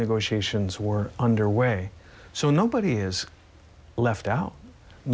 เพราะฉะนั้นไม่มีใครหลับไปไม่มีใครถูกติดตาม